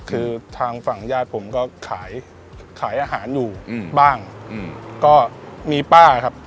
คือทางฝั่งญาติผมก็ขายขายอาหารอยู่บ้างก็มีป้าครับ